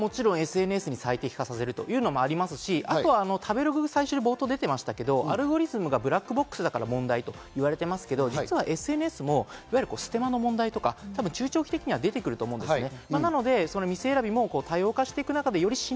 ＳＮＳに最適化させるというのもありますし、あとは食べログ、最初に冒頭を見てましたけど、アルゴリズムがブラックボックスだから問題と言われてますけど、ＳＮＳもステマの問題とか、中長期的には出てくると思うんですね。